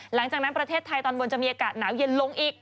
หลังจากนั้นประเทศไทยตอนบนจะมีอากาศหนาวเย็นลงอีก